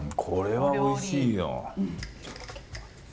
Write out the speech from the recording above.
これはおいしいよ。